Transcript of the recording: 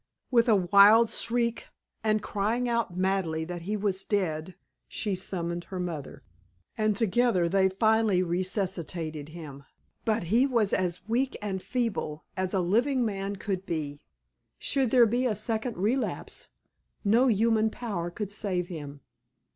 With a wild shriek, and crying out madly that he was dead, she summoned her mother, and together they finally resuscitated him. But he was as weak and feeble as a living man could be. Should there be a second relapse, no human power could save him.